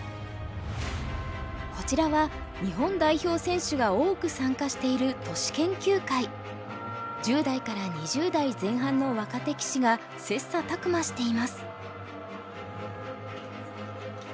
こちらは日本代表選手が多く参加している１０代から２０代前半の若手棋士が切磋琢磨しています。